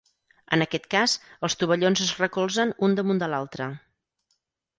En aquest cas, els tovallons es recolzen un damunt de l'altre.